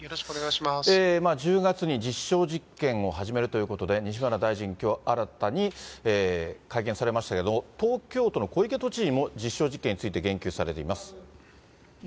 １０月に実証実験を始めるということで、西村大臣、きょう、新たに会見されましたけれども、東京都の小池都知事も実証実験について言及されています。